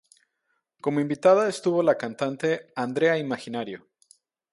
Como invitada estuvo la cantante Andrea Imaginario.